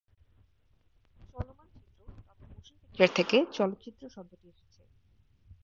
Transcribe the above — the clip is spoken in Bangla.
চলমান চিত্র তথা "মোশন পিকচার" থেকে চলচ্চিত্র শব্দটি এসেছে।